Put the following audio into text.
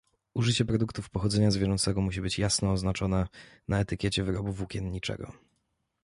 Użycie produktów pochodzenia zwierzęcego musi być jasno oznaczone na etykiecie wyrobu włókienniczego